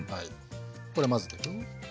これ混ぜていくよ。